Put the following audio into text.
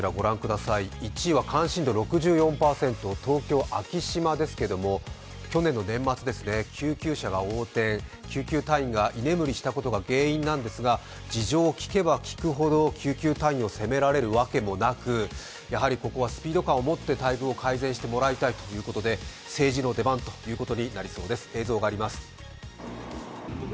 １位は関心度６４％、東京・昭島ですけれども、去年の年末ですね、救急車が横転、救急隊員が居眠りしたことが原因なんですが事情を聴けば聴くほど、救急隊員を責められるわけもなくやはりここはスピード感をもって待遇を改善してもらいたいということで政治の出番ということになりそうです。